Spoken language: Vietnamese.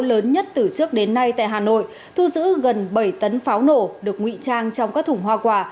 lớn nhất từ trước đến nay tại hà nội thu giữ gần bảy tấn pháo nổ được nguy trang trong các thủng hoa quả